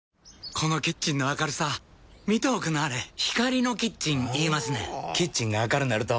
このキッチンの明るさ見ておくんなはれ光のキッチン言いますねんほぉキッチンが明るなると・・・